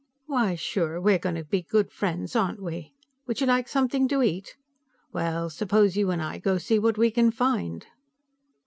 "Why, sure; we're going to be good friends, aren't we? Would you like something to eat? Well, suppose you and I go see what we can find."